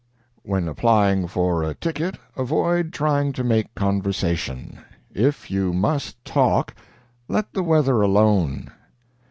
'" "When applying for a ticket avoid trying to make conversation. If you must talk, let the weather alone.